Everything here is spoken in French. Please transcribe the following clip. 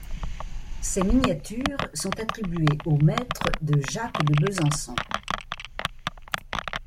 Ses miniatures sont attribuées au Maître de Jacques de Besançon.